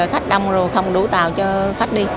khách đông rồi không đủ tàu cho khách đi